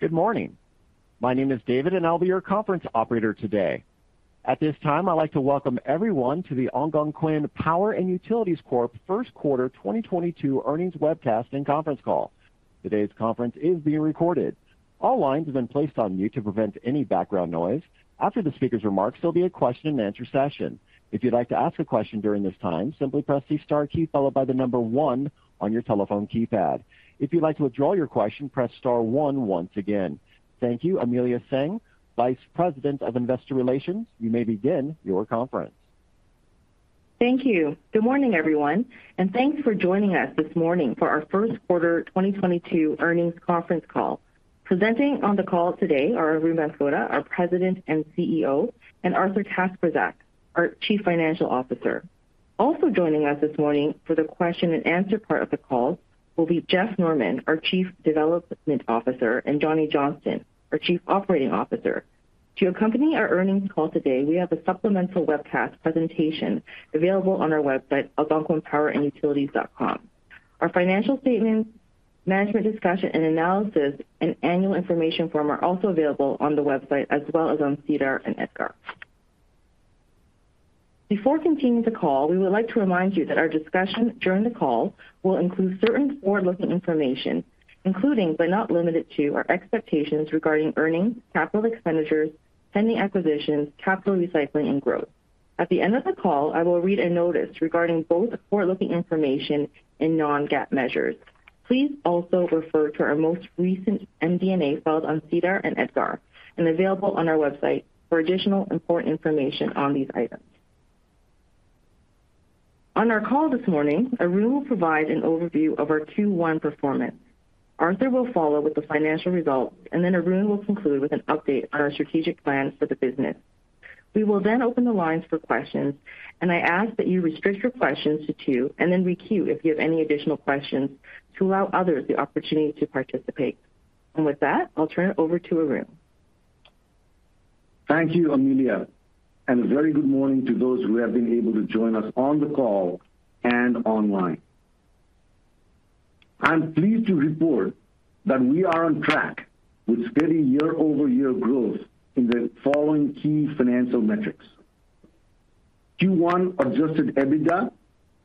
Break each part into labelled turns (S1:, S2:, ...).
S1: Good morning. My name is David, and I'll be your conference operator today. At this time, I'd like to welcome everyone to the Algonquin Power & Utilities Corp first quarter 2022 earnings webcast and conference call. Today's conference is being recorded. All lines have been placed on mute to prevent any background noise. After the speaker's remarks, there'll be a question-and-answer session. If you'd like to ask a question during this time, simply press the star key followed by the number one on your telephone keypad. If you'd like to withdraw your question, press star one once again. Thank you. Amelia Tsang, Vice President of Investor Relations. You may begin your conference.
S2: Thank you. Good morning, everyone, and thanks for joining us this morning for our first quarter 2022 earnings conference call. Presenting on the call today are Arun Banskota, our President and CEO, and Arthur Kacprzak, our Chief Financial Officer. Also joining us this morning for the question-and-answer part of the call will be Jeff Norman, our Chief Development Officer, and Johnny Johnston, our Chief Operating Officer. To accompany our earnings call today, we have a supplemental webcast presentation available on our website, algonquinpowerandutilities.com. Our financial statements, management discussion and analysis, and annual information form are also available on the website as well as on SEDAR and EDGAR. Before continuing the call, we would like to remind you that our discussion during the call will include certain forward-looking information, including but not limited to our expectations regarding earnings, capital expenditures, pending acquisitions, capital recycling and growth. At the end of the call, I will read a notice regarding both forward-looking information and non-GAAP measures. Please also refer to our most recent MD&A filed on SEDAR and EDGAR and available on our website for additional important information on these items. On our call this morning, Arun will provide an overview of our Q1 performance. Arthur will follow with the financial results, and then Arun will conclude with an update on our strategic plans for the business. We will then open the lines for questions, and I ask that you restrict your questions to two and then re-queue if you have any additional questions to allow others the opportunity to participate. With that, I'll turn it over to Arun.
S3: Thank you, Amelia, and a very good morning to those who have been able to join us on the call and online. I am pleased to report that we are on track with steady year-over-year growth in the following key financial metrics. Q1 adjusted EBITDA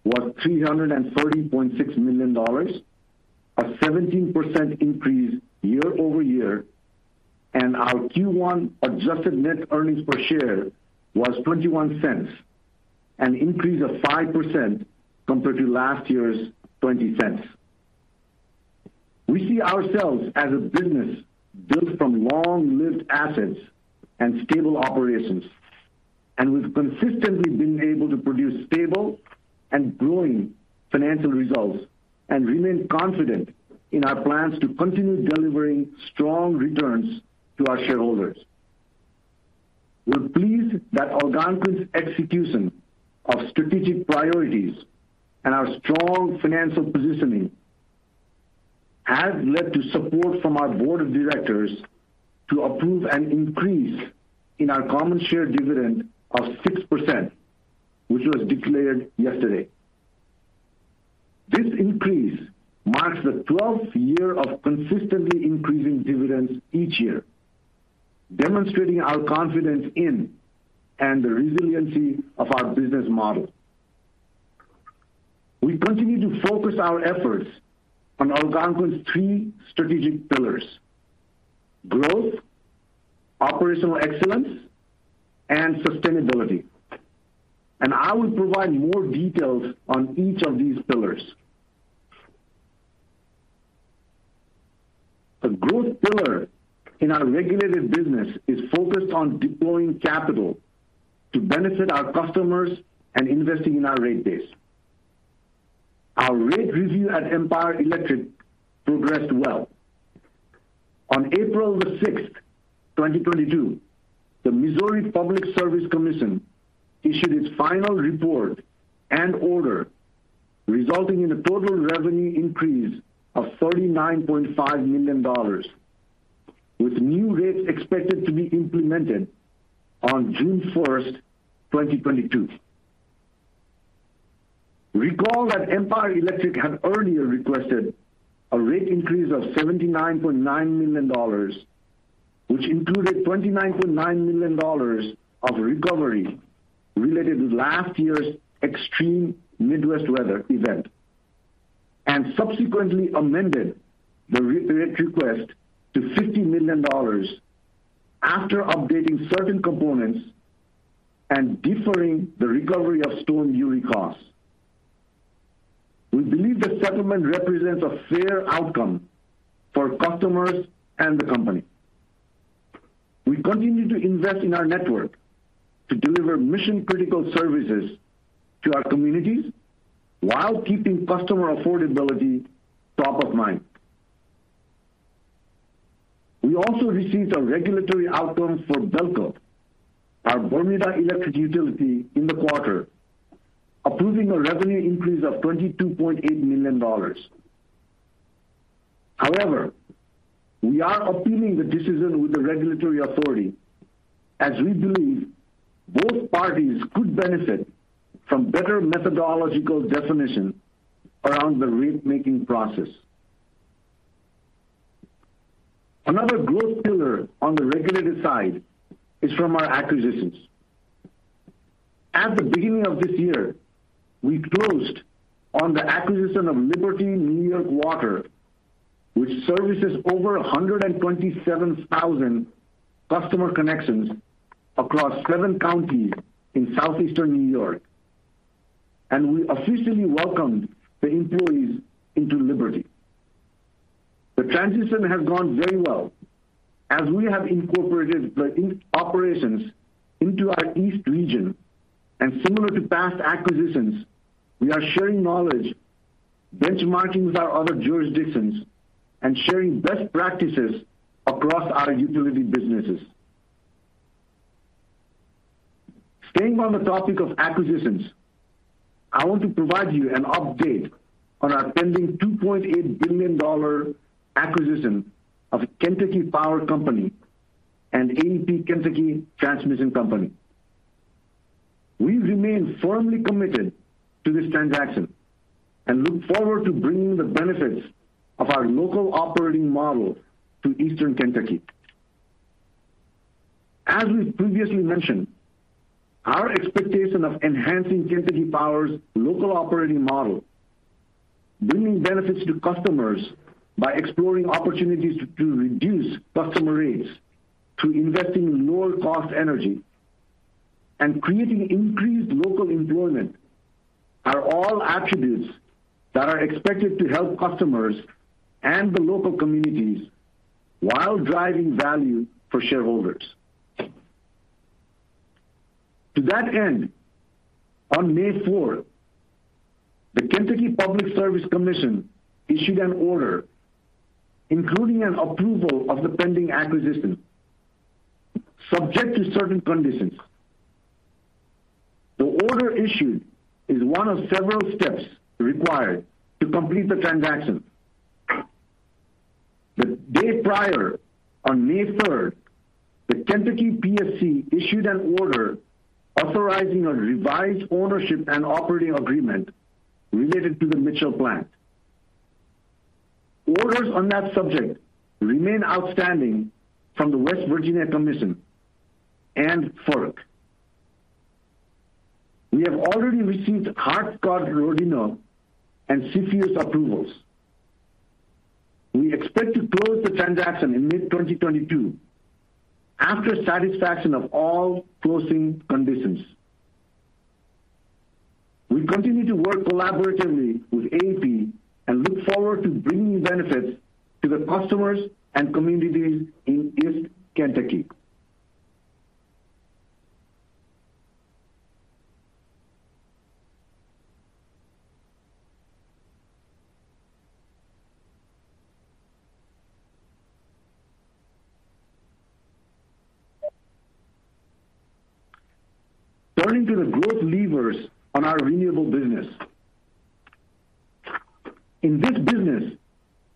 S3: was $330.6 million, a 17% increase year-over-year. Our Q1 adjusted net earnings per share was $0.21, an increase of 5% compared to last year's $0.20. We see ourselves as a business built from long-lived assets and stable operations, and we've consistently been able to produce stable and growing financial results and remain confident in our plans to continue delivering strong returns to our shareholders. We're pleased that Algonquin's execution of strategic priorities and our strong financial positioning has led to support from our board of directors to approve an increase in our common share dividend of 6%, which was declared yesterday. This increase marks the twelfth year of consistently increasing dividends each year, demonstrating our confidence in and the resiliency of our business model. We continue to focus our efforts on Algonquin's three strategic pillars. Growth, operational excellence, and sustainability. I will provide more details on each of these pillars. The growth pillar in our regulated business is focused on deploying capital to benefit our customers and investing in our rate base. Our rate review at Empire District Electric progressed well. On April 6, 2022, the Missouri Public Service Commission issued its final report and order, resulting in a total revenue increase of $39.5 million, with new rates expected to be implemented on June 1st, 2022. Recall that Empire District Electric had earlier requested a rate increase of $79.9 million, which included $29.9 million of recovery related to last year's extreme Midwest weather event, and subsequently amended the rate request to $50 million after updating certain components and deferring the recovery of Storm Uri costs. We believe the settlement represents a fair outcome for customers and the company. We continue to invest in our network to deliver mission-critical services to our communities while keeping customer affordability top of mind. We also received a regulatory outcome for BELCO, our Bermuda electric utility, in the quarter, approving a revenue increase of $22.8 million. However, we are appealing the decision with the regulatory authority. As we believe both parties could benefit from better methodological definition around the rate making process. Another growth pillar on the regulated side is from our acquisitions. At the beginning of this year, we closed on the acquisition of Liberty New York Water, which services over 127,000 customer connections across seven counties in southeastern New York. We officially welcomed the employees into Liberty. The transition has gone very well as we have incorporated the operations into our East region. Similar to past acquisitions, we are sharing knowledge, benchmarking with our other jurisdictions, and sharing best practices across our utility businesses. Staying on the topic of acquisitions, I want to provide you an update on our pending $2.8 billion acquisition of Kentucky Power Company and AEP Kentucky Transmission Company. We remain firmly committed to this transaction and look forward to bringing the benefits of our local operating model to Eastern Kentucky. As we've previously mentioned, our expectation of enhancing Kentucky Power's local operating model, bringing benefits to customers by exploring opportunities to reduce customer rates through investing in lower cost energy and creating increased local employment are all attributes that are expected to help customers and the local communities while driving value for shareholders. To that end, on May 4th, the Kentucky Public Service Commission issued an order including an approval of the pending acquisition, subject to certain conditions. The order issued is one of several steps required to complete the transaction. The day prior, on May 3rd, the Kentucky PSC issued an order authorizing a revised ownership and operating agreement related to the Mitchell Plant. Orders on that subject remain outstanding from the West Virginia Commission and FERC. We have already received Hart-Scott-Rodino and CFIUS approvals. We expect to close the transaction in mid-2022 after satisfaction of all closing conditions. We continue to work collaboratively with AEP and look forward to bringing benefits to the customers and communities in East Kentucky. Turning to the growth levers on our renewable business. In this business,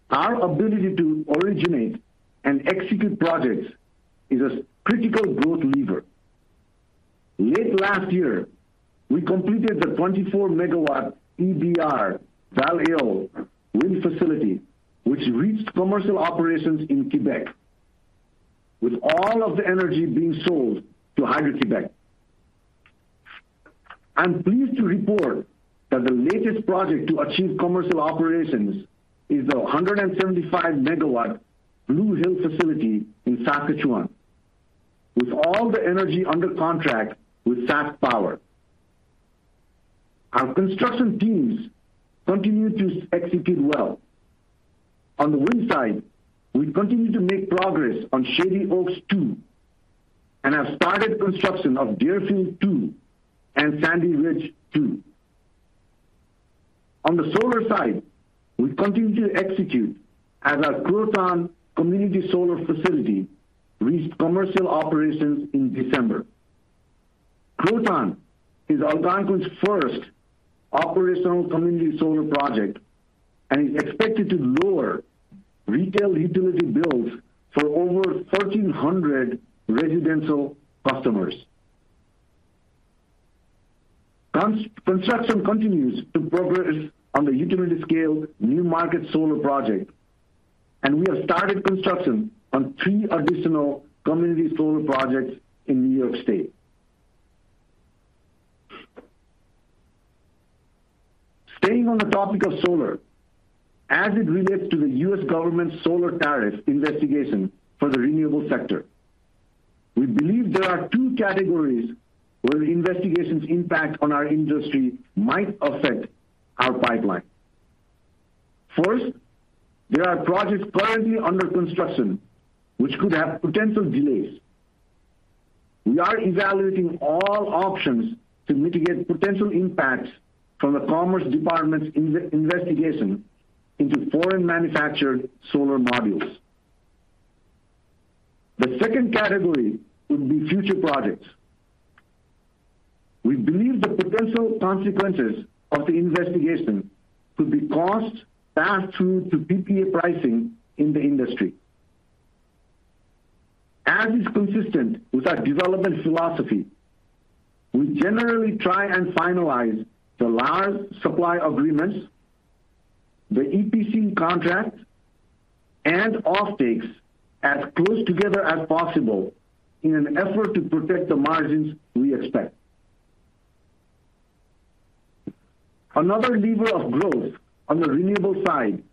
S3: our ability to originate and execute projects is a critical growth lever. Late last year, we completed the 24-MW Anse-à-Valleau wind facility, which reached commercial operations in Quebec, with all of the energy being sold to Hydro-Québec. I'm pleased to report that the latest project to achieve commercial operations is the 175 MW Blue Hill facility in Saskatchewan, with all the energy under contract with SaskPower. Our construction teams continue to execute well. On the wind side, we continue to make progress on Shady Oaks II and have started construction of Deerfield II and Sandy Ridge II. On the solar side, we continue to execute as our Croton Community Solar Facility reached commercial operations in December. Croton is Algonquin's first operational community solar project and is expected to lower retail utility bills for over 1,300 residential customers. Construction continues to progress on the utility-scale New Market Solar project, and we have started construction on three additional community solar projects in New York State. Staying on the topic of solar as it relates to the U.S. government solar tariff investigation for the renewable sector. We believe there are two categories where the investigation's impact on our industry might affect our pipeline. First, there are projects currently under construction which could have potential delays. We are evaluating all options to mitigate potential impacts from the Department of Commerce's investigation into foreign-manufactured solar modules. The second category would be future projects. We believe the potential consequences of the investigation could be costs passed through to PPA pricing in the industry. As is consistent with our development philosophy, we generally try and finalize the large supply agreements, the EPC contract, and offtakes as close together as possible in an effort to protect the margins we expect. Another lever of growth on the renewable side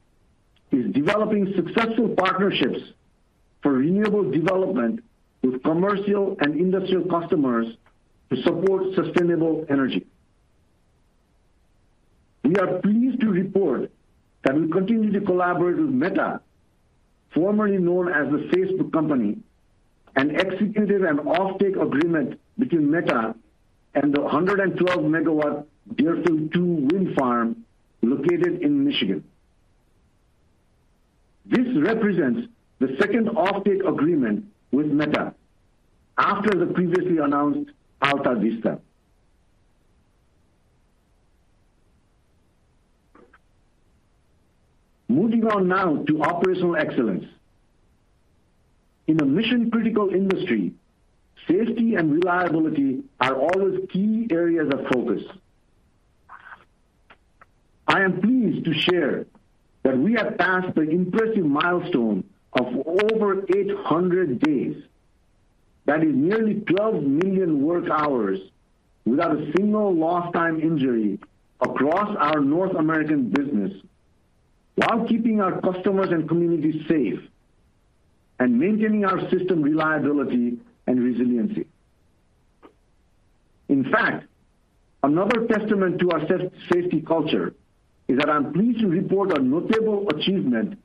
S3: is developing successful partnerships for renewable development with commercial and industrial customers to support sustainable energy. We are pleased to report that we continue to collaborate with Meta, formerly known as the Facebook company, and executed an offtake agreement between Meta and the 112 MW Deerfield two wind farm located in Michigan. This represents the second offtake agreement with Meta after the previously announced Alta Vista. Moving on now to operational excellence. In a mission-critical industry, safety and reliability are always key areas of focus. I am pleased to share that we have passed the impressive milestone of over 800 days. That is nearly 12 million work hours without a single lost time injury across our North American business while keeping our customers and communities safe and maintaining our system reliability and resiliency. In fact, another testament to our safety culture is that I'm pleased to report a notable achievement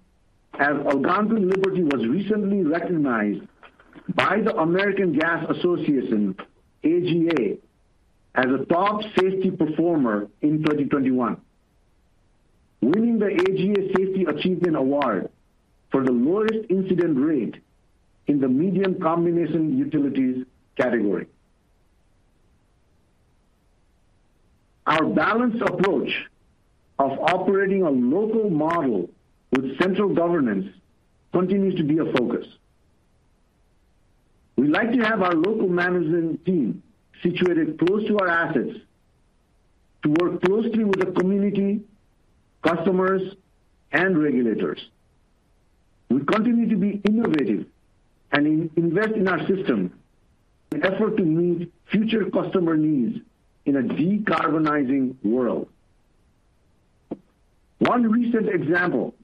S3: as Algonquin Liberty was recently recognized by the American Gas Association, AGA, as a top safety performer in 2021, winning the AGA Safety Achievement Award for the lowest incident rate in the medium combination utilities category. Our balanced approach of operating a local model with central governance continues to be a focus. We like to have our local management team situated close to our assets to work closely with the community, customers, and regulators. We continue to be innovative and invest in our system in an effort to meet future customer needs in a decarbonizing world. One recent example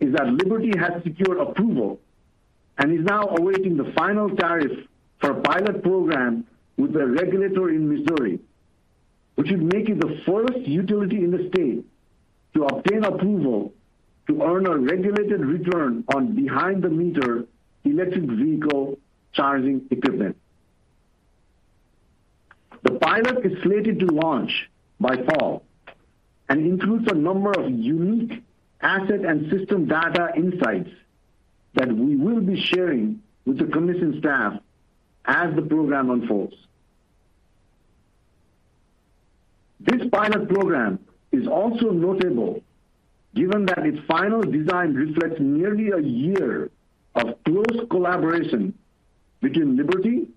S3: is that Liberty has secured approval and is now awaiting the final tariff for a pilot program with a regulator in Missouri, which would make it the first utility in the state to obtain approval to earn a regulated return on behind-the-meter electric vehicle charging equipment. The pilot is slated to launch by fall and includes a number of unique asset and system data insights that we will be sharing with the Missouri Public Service Commission staff as the program unfolds. This pilot program is also notable given that its final design reflects nearly a year of close collaboration between Liberty,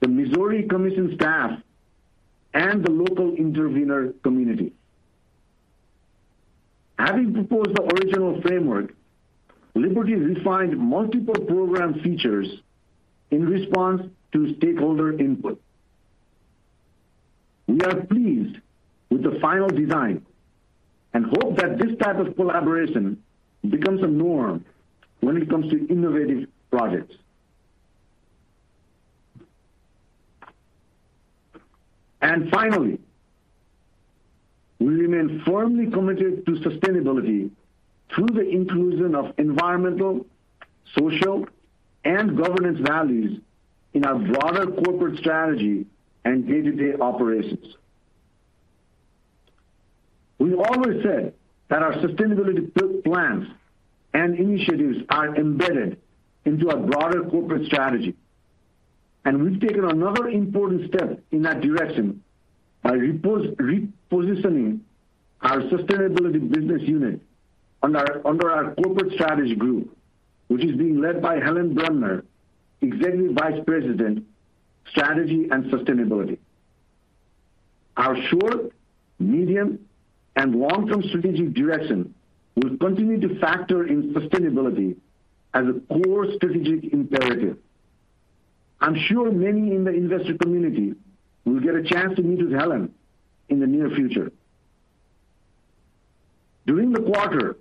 S3: the Missouri Public Service Commission staff, and the local intervener community. Having proposed the original framework, Liberty refined multiple program features in response to stakeholder input. We are pleased with the final design and hope that this type of collaboration becomes a norm when it comes to innovative projects. Finally, we remain firmly committed to sustainability through the inclusion of environmental, social, and governance values in our broader corporate strategy and day-to-day operations. We've always said that our sustainability plans and initiatives are embedded into our broader corporate strategy, and we've taken another important step in that direction by repositioning our sustainability business unit under our corporate strategy group, which is being led by Helen Bremner, Executive Vice President, Strategy and Sustainability. Our short, medium, and long-term strategic direction will continue to factor in sustainability as a core strategic imperative. I'm sure many in the investor community will get a chance to meet with Helen in the near future. During the quarter,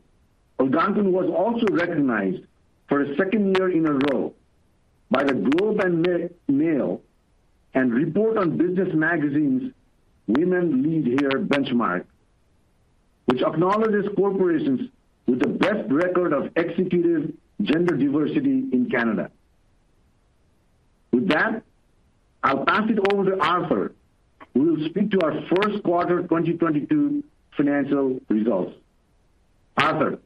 S3: Algonquin was also recognized for a second year in a row by The Globe and Mail and Report on Business magazine's Women Lead Here benchmark, which acknowledges corporations with the best record of executive gender diversity in Canada. With that, I'll pass it over to Arthur, who will speak to our first quarter 2022 financial results. Arthur?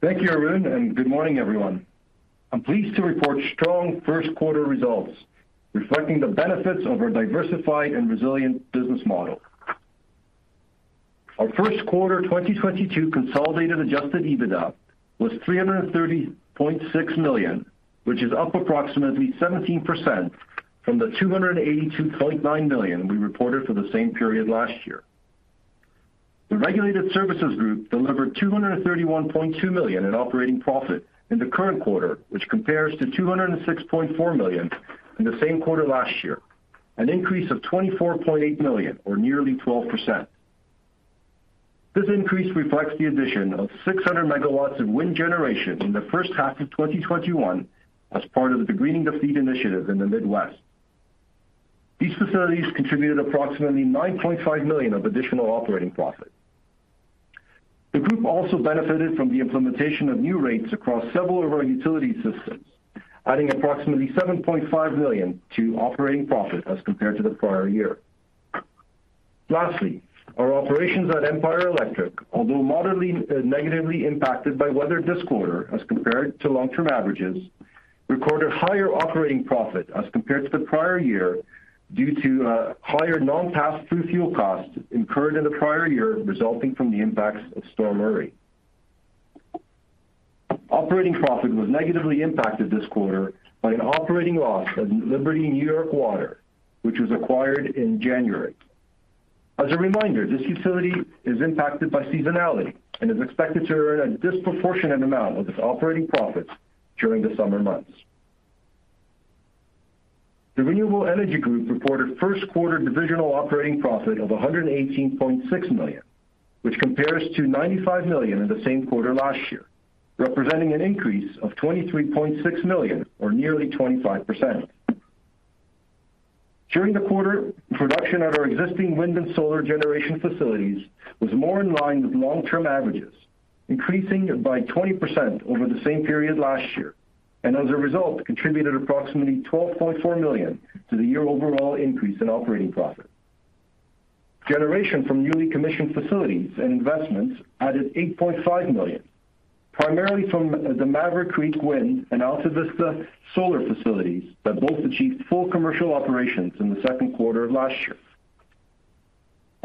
S4: Thank you, Arun, and good morning, everyone. I'm pleased to report strong first quarter results reflecting the benefits of our diversified and resilient business model. Our first quarter 2022 consolidated adjusted EBITDA was $330.6 million, which is up approximately 17% from the $282.9 million we reported for the same period last year. The Regulated Services Group delivered $231.2 million in operating profit in the current quarter, which compares to $206.4 million in the same quarter last year, an increase of $24.8 million or nearly 12%. This increase reflects the addition of 600 MW of wind generation in the first half of 2021 as part of the Greening the Fleet initiative in the Midwest. These facilities contributed approximately $9.5 million of additional operating profit. The group also benefited from the implementation of new rates across several of our utility systems, adding approximately $7.5 million to operating profit as compared to the prior year. Lastly, our operations at Empire Electric, although moderately negatively impacted by weather this quarter as compared to long-term averages, recorded higher operating profit as compared to the prior year due to higher non-pass-through fuel costs incurred in the prior year resulting from the impacts of Storm Uri. Operating profit was negatively impacted this quarter by an operating loss at Liberty New York Water, which was acquired in January. As a reminder, this utility is impacted by seasonality and is expected to earn a disproportionate amount of its operating profits during the summer months. The Renewable Energy Group reported first quarter divisional operating profit of $118.6 million, which compares to $95 million in the same quarter last year, representing an increase of $23.6 million or nearly 25%. During the quarter, production at our existing wind and solar generation facilities was more in line with long-term averages, increasing by 20% over the same period last year, and as a result contributed approximately $12.4 million to the year overall increase in operating profit. Generation from newly commissioned facilities and investments added $8.5 million, primarily from the Maverick Creek Wind and Alta Vista Solar facilities that both achieved full commercial operations in the second quarter of last year.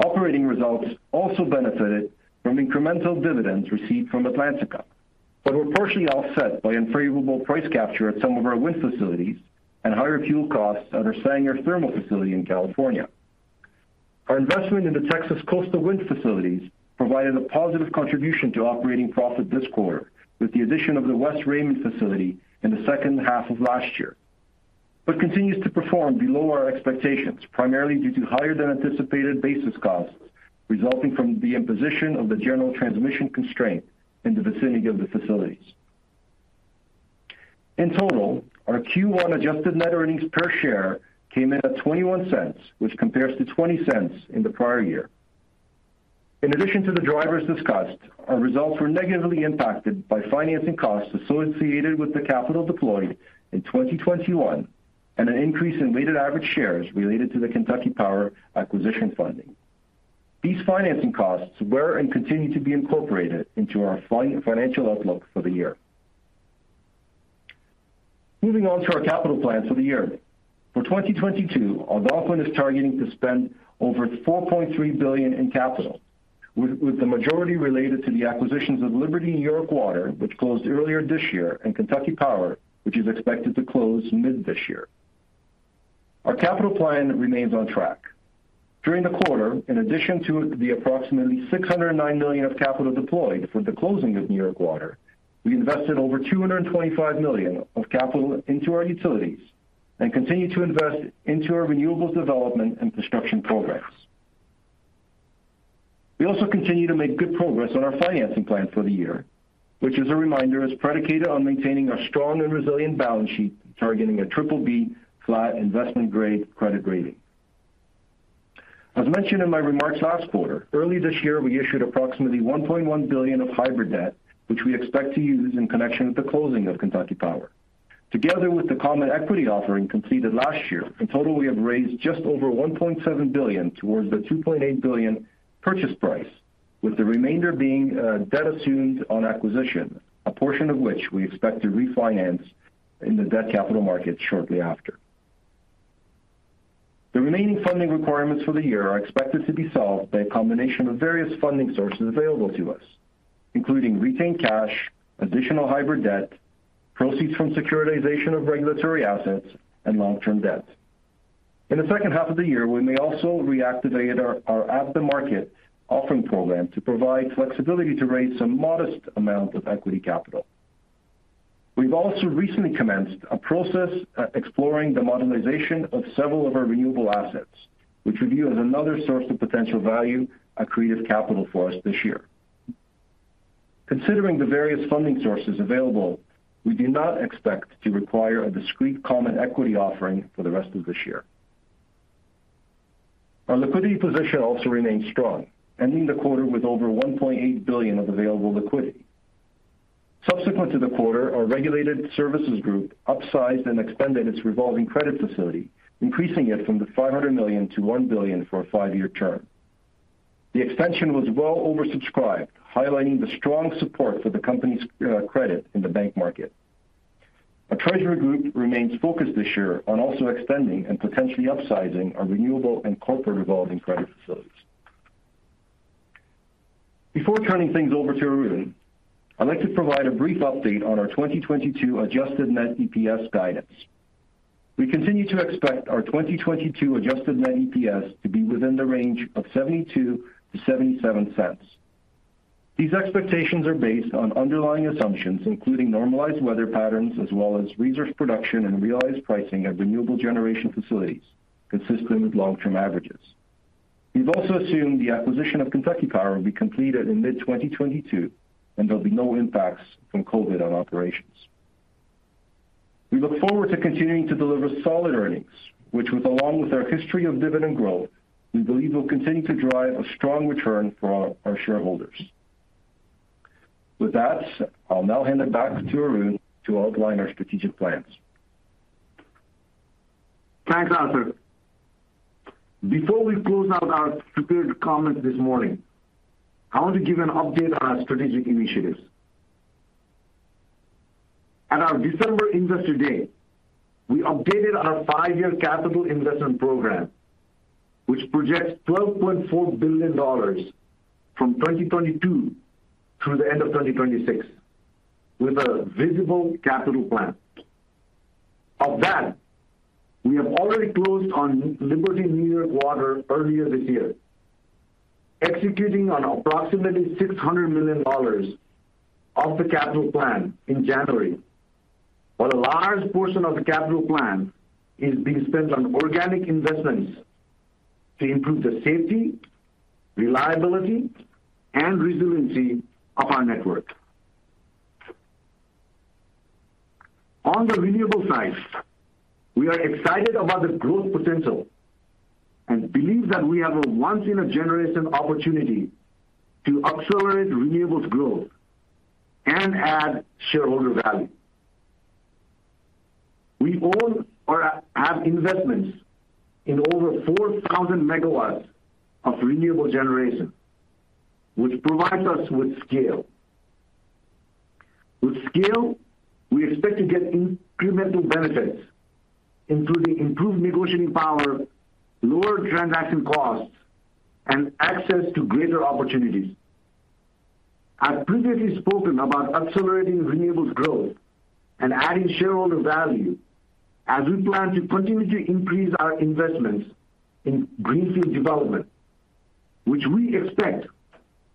S4: Operating results also benefited from incremental dividends received from Atlantica, but were partially offset by unfavorable price capture at some of our wind facilities and higher fuel costs at our Sanger Thermal facility in California. Our investment in the Texas Coastal wind facilities provided a positive contribution to operating profit this quarter, with the addition of the West Raymond facility in the second half of last year, but continues to perform below our expectations, primarily due to higher than anticipated basis costs resulting from the imposition of the general transmission constraint in the vicinity of the facilities. In total, our Q1 Adjusted Net Earnings per share came in at $0.21, which compares to $0.20 in the prior year. In addition to the drivers discussed, our results were negatively impacted by financing costs associated with the capital deployed in 2021 and an increase in weighted average shares related to the Kentucky Power acquisition funding. These financing costs were and continue to be incorporated into our financial outlook for the year. Moving on to our capital plans for the year. For 2022, Algonquin is targeting to spend over $4.3 billion in capital, with the majority related to the acquisitions of Liberty New York Water, which closed earlier this year, and Kentucky Power, which is expected to close mid this year. Our capital plan remains on track. During the quarter, in addition to the approximately $609 million of capital deployed for the closing of New York Water, we invested over $225 million of capital into our utilities and continue to invest into our renewables development and construction programs. We also continue to make good progress on our financing plan for the year, which as a reminder, is predicated on maintaining a strong and resilient balance sheet, targeting a BBB flat investment grade credit rating. As mentioned in my remarks last quarter, early this year we issued approximately $1.1 billion of hybrid debt, which we expect to use in connection with the closing of Kentucky Power. Together with the common equity offering completed last year, in total we have raised just over $1.7 billion towards the $2.8 billion purchase price, with the remainder being debt assumed on acquisition, a portion of which we expect to refinance in the debt capital market shortly after. The remaining funding requirements for the year are expected to be solved by a combination of various funding sources available to us, including retained cash, additional hybrid debt, proceeds from securitization of regulatory assets and long-term debt. In the second half of the year, we may also reactivate our at-the-market equity program to provide flexibility to raise a modest amount of equity capital. We've also recently commenced a process exploring the modernization of several of our renewable assets, which we view as another source of potential value accretive capital for us this year. Considering the various funding sources available, we do not expect to require a discrete common equity offering for the rest of this year. Our liquidity position also remains strong, ending the quarter with over $1.8 billion of available liquidity. Subsequent to the quarter, our Regulated Services Group upsized and expanded its revolving credit facility, increasing it from $500 million to $1 billion for a five-year term. The extension was well oversubscribed, highlighting the strong support for the company's credit in the bank market. Our treasury group remains focused this year on also extending and potentially upsizing our renewable and corporate revolving credit facilities. Before turning things over to Arun, I'd like to provide a brief update on our 2022 adjusted net EPS guidance. We continue to expect our 2022 adjusted net EPS to be within the range of $0.72-$0.77. These expectations are based on underlying assumptions, including normalized weather patterns as well as resource production and realized pricing at renewable generation facilities consistent with long-term averages. We've also assumed the acquisition of Kentucky Power will be completed in mid-2022, and there'll be no impacts from COVID on operations. We look forward to continuing to deliver solid earnings, which was along with our history of dividend growth, we believe will continue to drive a strong return for our shareholders. With that, I'll now hand it back to Arun to outline our strategic plans.
S3: Thanks, Arthur. Before we close out our prepared comments this morning, I want to give an update on our strategic initiatives. At our December Investor Day, we updated our five-year capital investment program, which projects $12.4 billion from 2022 through the end of 2026, with a visible capital plan. Of that, we have already closed on Liberty New York Water earlier this year, executing on approximately $600 million of the capital plan in January. A large portion of the capital plan is being spent on organic investments to improve the safety, reliability, and resiliency of our network. On the renewable side, we are excited about the growth potential and believe that we have a once in a generation opportunity to accelerate renewables growth and add shareholder value. We own or have investments in over 4,000 MW of renewable generation, which provides us with scale. With scale, we expect to get incremental benefits, including improved negotiating power, lower transaction costs, and access to greater opportunities. I've previously spoken about accelerating renewables growth and adding shareholder value as we plan to continue to increase our investments in greenfield development, which we expect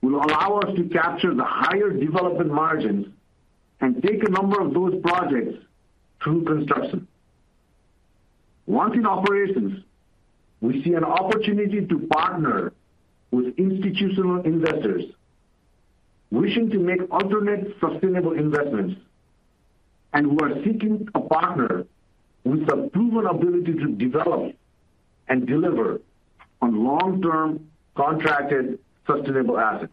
S3: will allow us to capture the higher development margins and take a number of those projects through construction. Once in operations, we see an opportunity to partner with institutional investors wishing to make alternate sustainable investments and who are seeking a partner with a proven ability to develop and deliver on long-term contracted sustainable assets.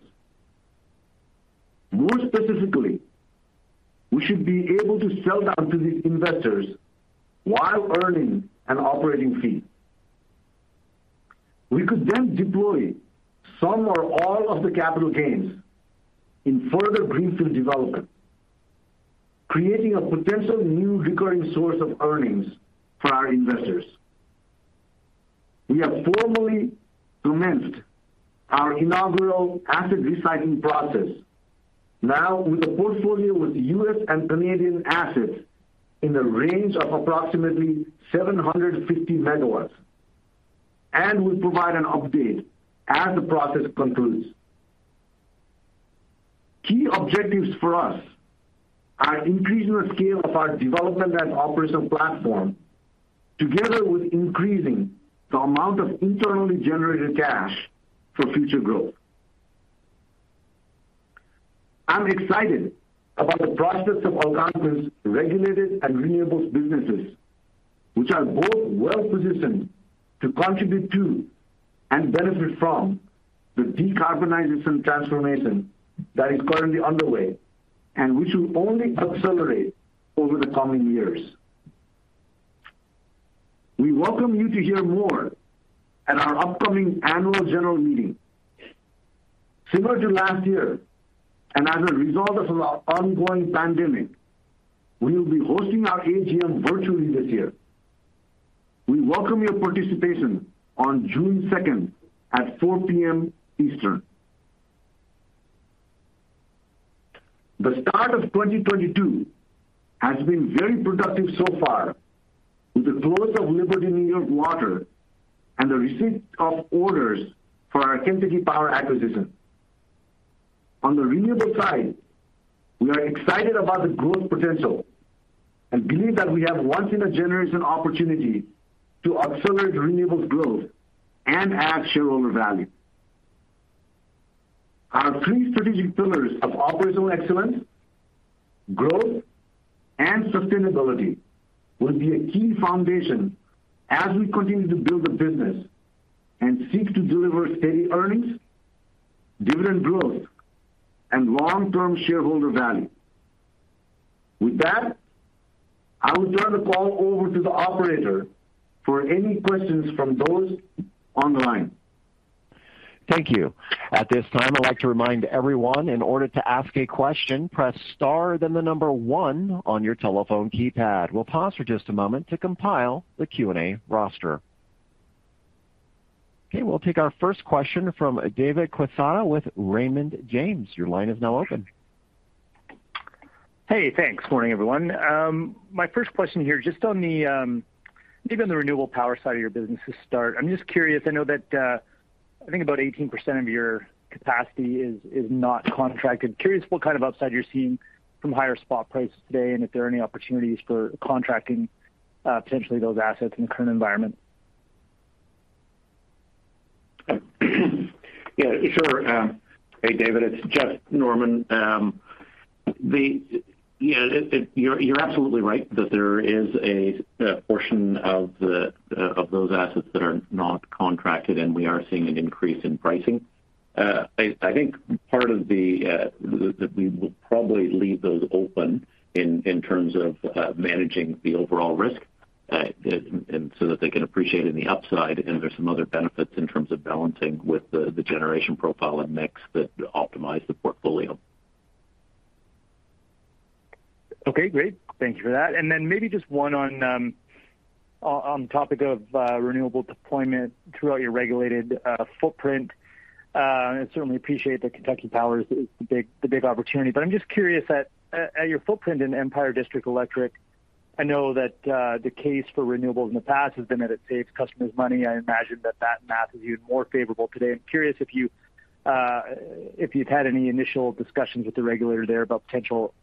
S3: More specifically, we should be able to sell down to these investors while earning an operating fee. We could then deploy some or all of the capital gains in further greenfield development, creating a potential new recurring source of earnings for our investors. We have formally commenced our inaugural asset recycling process now with a portfolio with U.S. and Canadian assets in the range of approximately 750 MW, and we'll provide an update as the process concludes. Key objectives for us are increasing the scale of our development and operational platform together with increasing the amount of internally generated cash for future growth. I'm excited about the prospects of Algonquin's regulated and renewables businesses, which are both well-positioned to contribute to and benefit from the decarbonization transformation that is currently underway and which will only accelerate over the coming years. We welcome you to hear more at our upcoming Annual General Meeting. Similar to last year, and as a result of the ongoing pandemic, we will be hosting our AGM virtually this year. We welcome your participation on June 2nd at 4:00 P.M. Eastern. The start of 2022 has been very productive so far with the close of Liberty New York Water and the receipt of orders for our Kentucky Power acquisition. On the renewable side, we are excited about the growth potential and believe that we have once in a generation opportunity to accelerate renewables growth and add shareholder value. Our three strategic pillars of operational excellence, growth, and sustainability will be a key foundation as we continue to build the business and seek to deliver steady earnings, dividend growth, and long-term shareholder value. With that, I will turn the call over to the operator for any questions from those online.
S1: Thank you. At this time, I'd like to remind everyone in order to ask a question, press star then the number one on your telephone keypad. We'll pause for just a moment to compile the Q&A roster. Okay, we'll take our first question from David Quezada with Raymond James. Your line is now open.
S5: Hey, thanks. Morning, everyone. My first question here, just on the, maybe on the renewable power side of your business to start. I'm just curious, I know that, I think about 18% of your capacity is not contracted. Curious what kind of upside you're seeing from higher spot prices today, and if there are any opportunities for contracting, potentially those assets in the current environment?
S6: Yeah, sure. Hey, David, it's Jeff Norman. You're absolutely right that there is a portion of those assets that are not contracted, and we are seeing an increase in pricing. I think we will probably leave those open in terms of managing the overall risk, and so that they can appreciate in the upside. There's some other benefits in terms of balancing with the generation profile and mix that optimize the portfolio.
S5: Okay, great. Thank you for that. Then maybe just one on topic of renewable deployment throughout your regulated footprint. Certainly appreciate that Kentucky Power is the big opportunity. I'm just curious at your footprint in Empire District Electric. I know that the case for renewables in the past has been that it saves customers money. I imagine that that math is even more favorable today. I'm curious if you've had any initial discussions with the regulator there about potential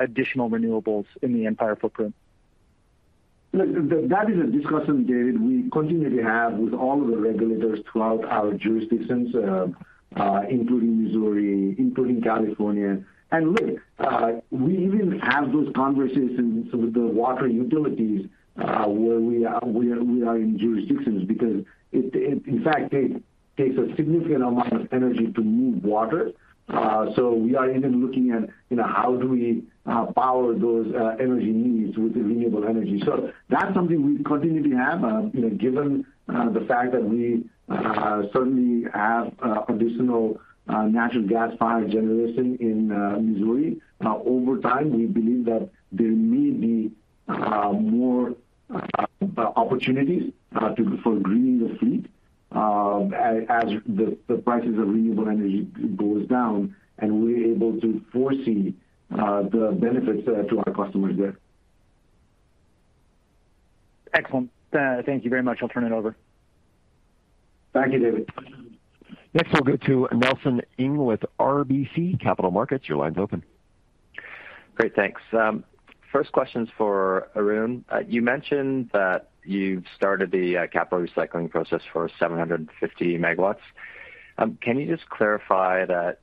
S5: additional renewables in the Empire footprint?
S3: Look, that is a discussion, David, we continually have with all of the regulators throughout our jurisdictions, including Missouri, including California. Look, we even have those conversations with the water utilities, where we are in jurisdictions because it in fact takes a significant amount of energy to move water. We are even looking at, you know, how do we power those energy needs with the renewable energy. That's something we continually have. You know, given the fact that we certainly have additional natural gas fired generation in Missouri. Over time, we believe that there may be more opportunities for Greening the Fleet, as the prices of renewable energy goes down and we're able to foresee the benefits to our customers there.
S5: Excellent. Thank you very much. I'll turn it over.
S3: Thank you, David.
S1: Next, we'll go to Nelson Ng with RBC Capital Markets. Your line's open.
S7: Great, thanks. First question's for Arun. You mentioned that you've started the capital recycling process for 750 MW. Can you just clarify? Are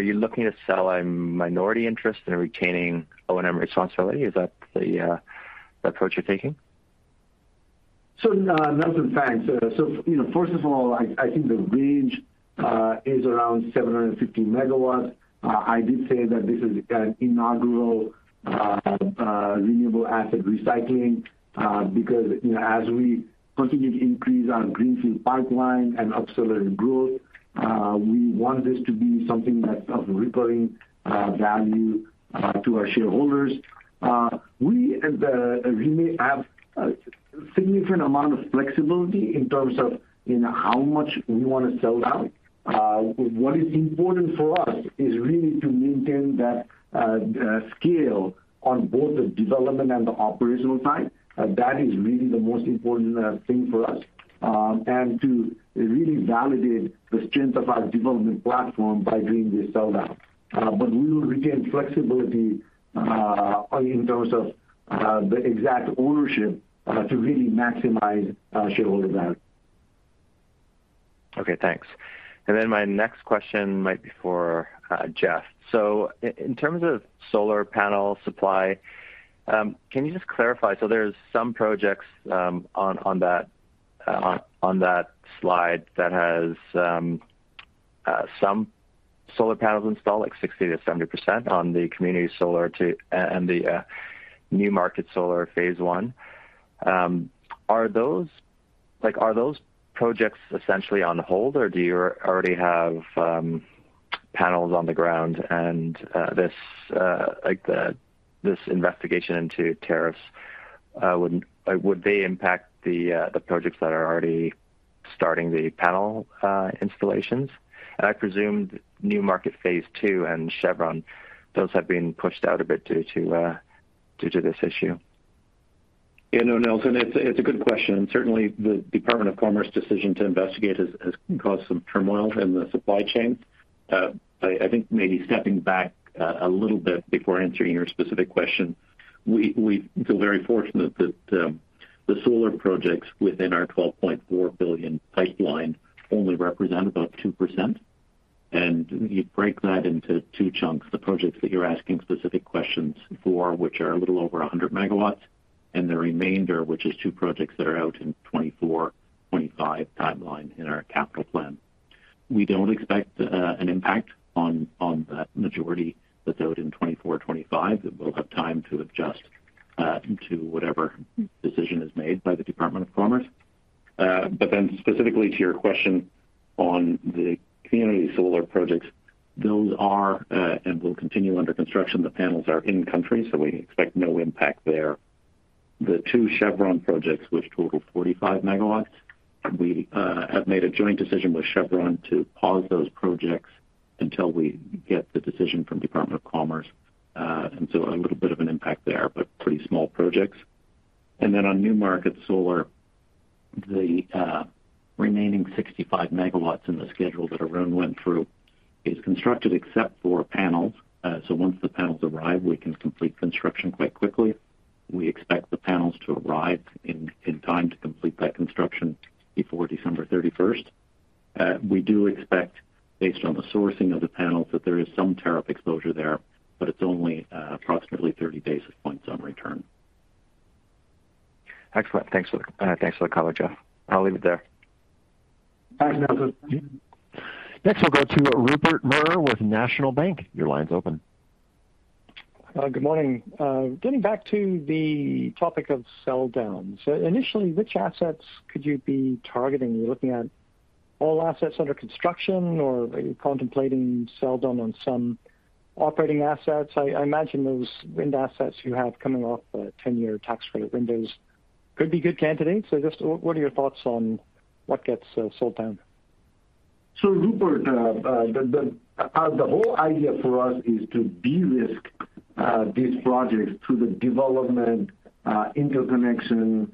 S7: you looking to sell a minority interest in retaining O&M responsibility? Is that the approach you're taking?
S3: Nelson, thanks. You know, first of all, I think the range is around 750 MW. I did say that this is an inaugural renewable asset recycling because, you know, as we continue to increase our greenfield pipeline and accelerate growth, we want this to be something that's of recurring value to our shareholders. We have a significant amount of flexibility in terms of, you know, how much we want to sell down. What is important for us is really to maintain that scale on both the development and the operational side. That is really the most important thing for us, and to really validate the strength of our development platform by doing this sell-down. We will retain flexibility in terms of the exact ownership to really maximize shareholder value.
S7: Okay, thanks. Then my next question might be for Jeff. In terms of solar panel supply, can you just clarify? There are some projects on that slide that has some solar panels installed, like 60%-70% on the community solar and the New Market Solar phase I. Are those projects essentially on hold, or do you already have panels on the ground and this investigation into tariffs would they impact the projects that are already starting the panel installations? I presumed New Market phase II and Chevron, those have been pushed out a bit due to this issue.
S6: You know, Nelson, it's a good question, and certainly the Department of Commerce decision to investigate has caused some turmoil in the supply chain. I think maybe stepping back a little bit before answering your specific question, we feel very fortunate that the solar projects within our $12.4 billion pipeline only represent about 2%. You break that into two chunks, the projects that you're asking specific questions for, which are a little over 100 MW, and the remainder, which is two projects that are out in 2024, 2025 timeline in our capital plan. We don't expect an impact on that majority that's out in 2024, 2025. That we'll have time to adjust to whatever decision is made by the Department of Commerce. Specifically to your question on the community solar projects, those are and will continue under construction. The panels are in country, so we expect no impact there. The two Chevron projects, which total 45 MW, we have made a joint decision with Chevron to pause those projects until we get the decision from Department of Commerce. A little bit of an impact there, but pretty small projects. On New Market Solar, the remaining 65 MW in the schedule that Arun went through is constructed except for panels. Once the panels arrive, we can complete construction quite quickly. We expect the panels to arrive in time to complete that construction before December 31st. We do expect, based on the sourcing of the panels, that there is some tariff exposure there, but it's only approximately 30 basis points on return.
S7: Excellent. Thanks for the color, Jeff. I'll leave it there.
S3: Thanks.
S1: Next, we'll go to Rupert Merer with National Bank Financial. Your line's open.
S8: Good morning. Getting back to the topic of sell downs. Initially, which assets could you be targeting? Are you looking at all assets under construction or are you contemplating sell down on some operating assets? I imagine those wind assets you have coming off ten-year tax credit windows could be good candidates. Just what are your thoughts on what gets sold down?
S3: Rupert, the whole idea for us is to de-risk these projects through the development, interconnection,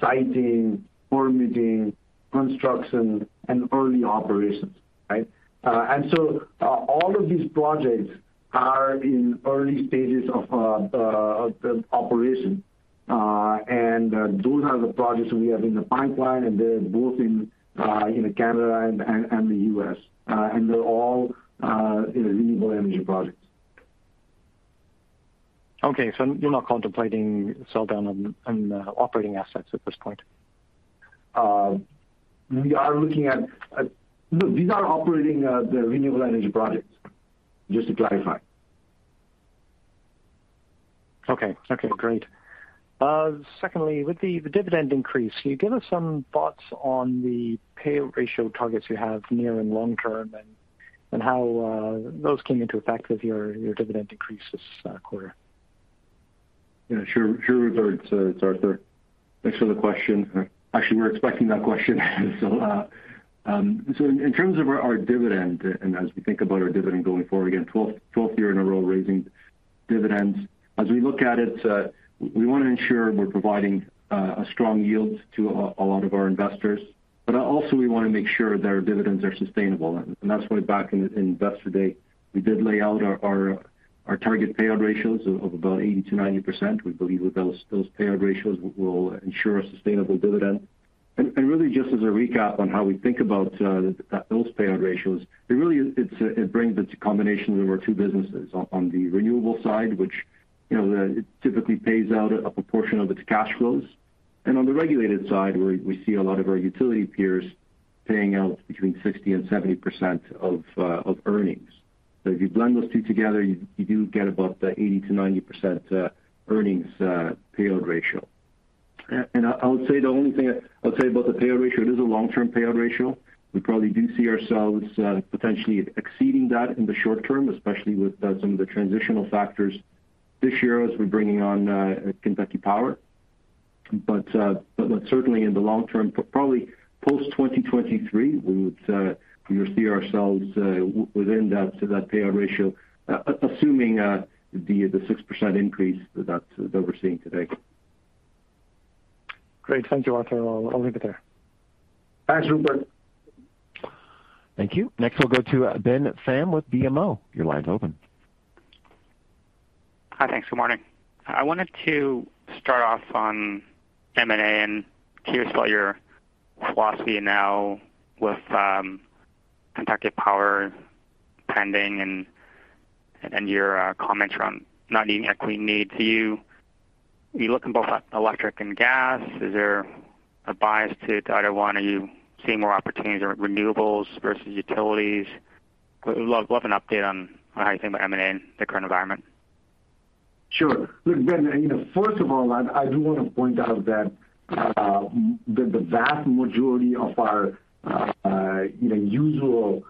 S3: siting, permitting, construction and early operations, right? All of these projects are in early stages of the operation. Those are the projects we have in the pipeline, and they're both in, you know, Canada and the U.S. They're all, you know, renewable energy projects.
S8: Okay. You're not contemplating sell down on operating assets at this point?
S3: Look, these are operating the renewable energy projects, just to clarify.
S8: Okay, great. Secondly, with the dividend increase, can you give us some thoughts on the payout ratio targets you have near and long term and how those came into effect with your dividend increases quarter?
S4: Yeah, sure, Rupert. It's Arthur. Thanks for the question. Actually, we were expecting that question. In terms of our dividend and as we think about our dividend going forward, again, 12th year in a row raising dividends. As we look at it, we wanna ensure we're providing a strong yield to a lot of our investors, but also we wanna make sure that our dividends are sustainable. That's why back in Investor Day, we did lay out our target payout ratios of about 80%-90%. We believe with those payout ratios will ensure a sustainable dividend. Really just as a recap on how we think about those payout ratios, it really brings the combination of our two businesses. On the renewable side, which, you know, it typically pays out a proportion of its cash flows. On the regulated side, where we see a lot of our utility peers paying out between 60% and 70% of earnings. If you blend those two together, you do get about the 80%-90% earnings payout ratio. I would say the only thing I'll tell you about the payout ratio, it is a long-term payout ratio. We probably do see ourselves potentially exceeding that in the short term, especially with some of the transitional factors this year as we're bringing on Kentucky Power. Certainly in the long term, probably post-2023, we would see ourselves within that, so that payout ratio, assuming the 6% increase that we're seeing today.
S8: Great. Thank you, Arthur. I'll leave it there.
S3: Thanks, Rupert.
S7: Thank you. Next, we'll go to Ben Pham with BMO. Your line's open.
S9: Hi. Thanks. Good morning. I wanted to start off on M&A and hear sort of your philosophy now with Kentucky Power pending and your comments around not meeting equity needs. Are you looking both at electric and gas? Is there a bias to either one? Are you seeing more opportunities around renewables versus utilities? Would love an update on how you think about M&A in the current environment?
S3: Sure. Look, Ben, you know, first of all, I do wanna point out that the vast majority of our you know usual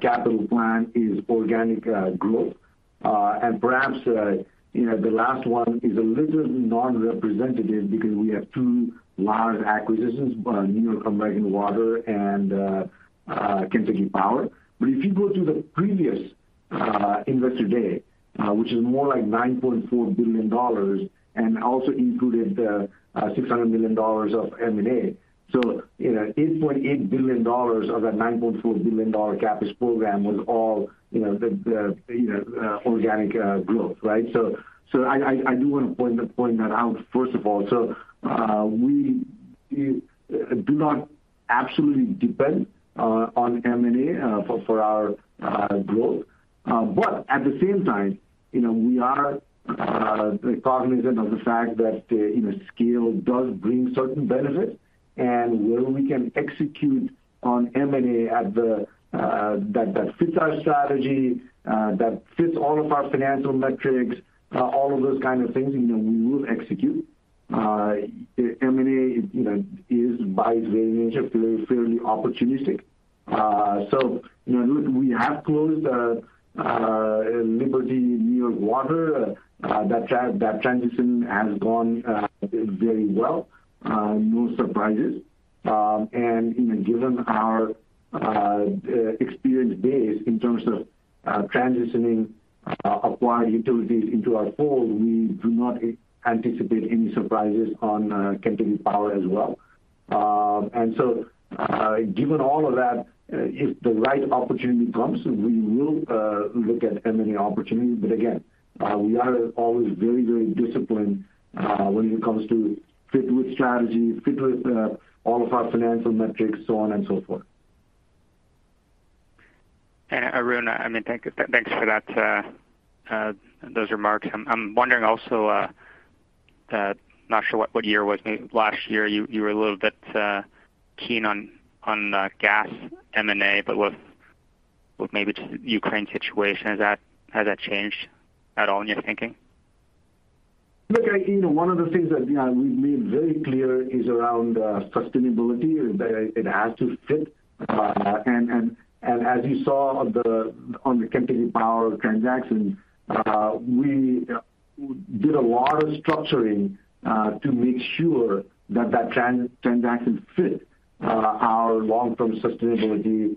S3: capital plan is organic growth. Perhaps you know the last one is a little non-representative because we have two large acquisitions, New York American Water and Kentucky Power. If you go to the previous Investor Day, which is more like $9.4 billion and also included $600 million of M&A. You know, $8.8 billion of that $9.4 billion CapEx program was all you know the organic growth, right? I do wanna point that out first of all. We do not absolutely depend on M&A for our growth. We are cognizant of the fact that, you know, scale does bring certain benefits. Where we can execute on M&A that fits our strategy, that fits all of our financial metrics, all of those kind of things, you know, we will execute. M&A, you know, is by its very nature fairly opportunistic. We have closed Liberty New York Water. That transition has gone very well, no surprises. Given our experience base in terms of transitioning acquired utilities into our fold, we do not anticipate any surprises on Kentucky Power as well. Given all of that, if the right opportunity comes, we will look at M&A opportunities. Again, we are always very, very disciplined when it comes to fit with strategy, fit with all of our financial metrics, so on and so forth.
S9: Arun, I mean, thanks for that, those remarks. I'm wondering also, not sure what year it was? Maybe last year, you were a little bit keen on gas M&A, but with maybe Ukraine situation, has that changed at all in your thinking?
S3: Look, you know, one of the things that, you know, we've made very clear is around sustainability. That it has to fit. As you saw on the Kentucky Power transaction, we did a lot of structuring to make sure that transaction fit our long-term sustainability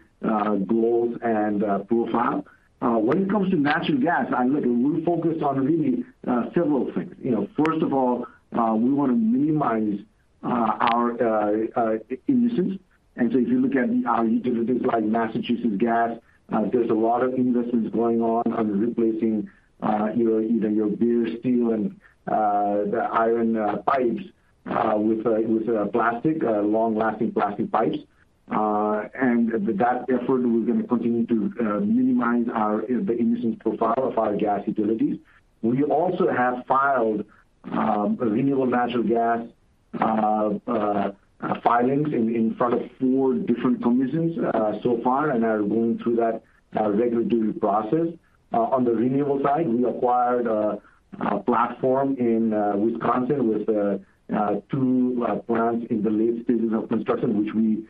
S3: goals and profile. When it comes to natural gas, look, we focus on really several things. You know, first of all, we wanna minimize our emissions. If you look at our utilities like Liberty Utilities, there's a lot of investments going on replacing either bare steel and the iron pipes with plastic long-lasting plastic pipes. With that effort, we're gonna continue to minimize the emissions profile of our gas utilities. We also have filed renewable natural gas filings in front of four different commissions so far and are going through that regulatory process. On the renewable side, we acquired a platform in Wisconsin with two plants in the late stages of construction, which we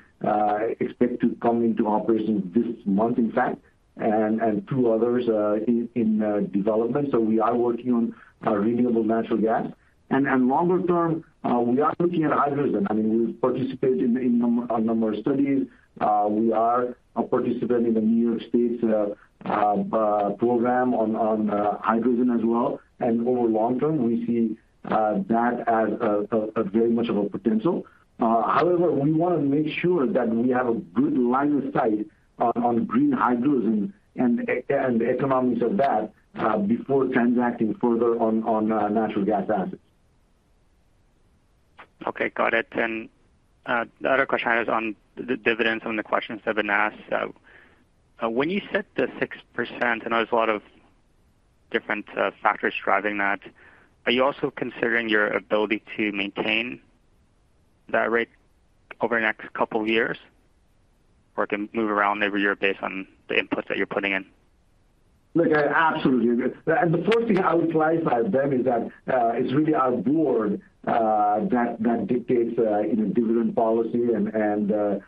S3: expect to come into operation this month, in fact, and two others in development. We are working on renewable natural gas. Longer term, we are looking at hydrogen. I mean, we participate in a number of studies. We are a participant in the New York State's program on hydrogen as well. Over long term, we see that as a very much of a potential. However, we wanna make sure that we have a good line of sight on green hydrogen and the economics of that before transacting further on natural gas assets.
S9: Okay, got it. The other question I was on the dividends on the questions that have been asked. When you set the 6%, I know there's a lot of different factors driving that. Are you also considering your ability to maintain that rate over the next couple years, or it can move around every year based on the inputs that you're putting in?
S3: Look, absolutely. The first thing I would clarify, Ben, is that it's really our board that dictates, you know, dividend policy and the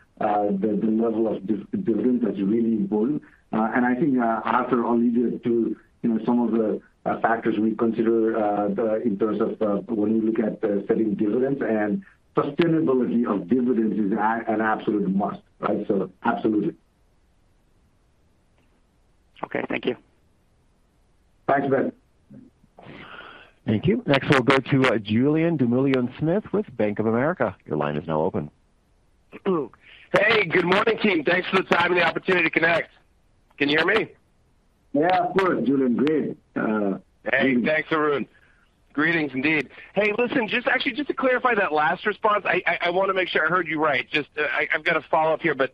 S3: level of dividend. That's really important. I think Arthur alluded to, you know, some of the factors we consider in terms of when you look at setting dividends and sustainability of dividends is an absolute must, right? Absolutely.
S9: Okay, thank you.
S3: Thanks, Ben.
S1: Thank you. Next, we'll go to Julien Dumoulin-Smith with Bank of America. Your line is now open.
S10: Hey, good morning, team. Thanks for the time and the opportunity to connect. Can you hear me?
S3: Yeah, of course, Julien. Great.
S10: Hey, thanks, Arun. Greetings indeed. Hey, listen, just actually to clarify that last response, I wanna make sure I heard you right. Just, I've got a follow-up here, but